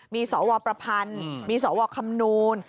มีสอวรประพันธ์มีสอวรคำนวณ